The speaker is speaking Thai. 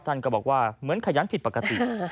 ท่านก็บอกว่าเหมือนขยันผิดปกติ